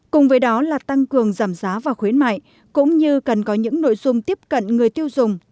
cùng với đó là tăng cường giảm giá và khuyến mại cũng như cần có những nội dung tiếp cận người tiêu dùng